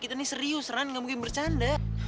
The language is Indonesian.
kita nih serius ren gak mungkin bercanda